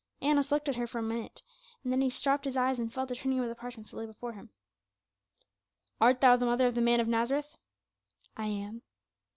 Annas looked at her for an instant, then he dropped his eyes and fell to turning over the parchments which lay before him. "Art thou the mother of the Man of Nazareth?" "I am."